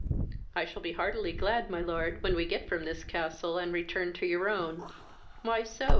"I shall be heartily glad, my lord, when we get from this castle, and return to your own." "Why so?